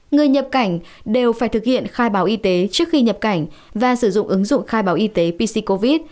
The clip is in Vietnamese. người nhập cảnh đều phải thực hiện khai báo y tế trước khi nhập cảnh và sử dụng ứng dụng khai báo y tế pc covid